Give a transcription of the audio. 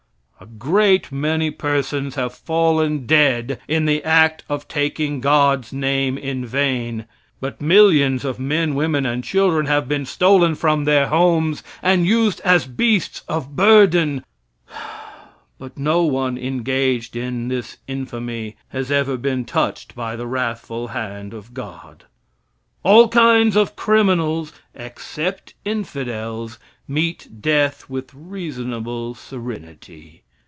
A great many persons have fallen dead in the act of taking God's name in vain, but millions of men, women and children have been stolen from their homes and used as beasts of burden, but no one engaged in this infamy has ever been touched by the wrathful hand of God. All kinds of criminals, except infidels, meet death with reasonable serenity.